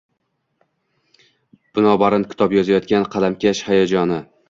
Binobarin, kitob yozayotgan qalamkash hayajoni